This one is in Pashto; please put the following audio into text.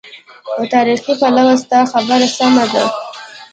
له تاریخي پلوه ستا خبره سمه ده.